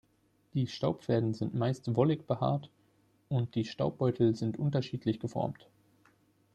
Die Staubfäden sind meist wollig behaart und die Staubbeutel sind unterschiedlich geformt.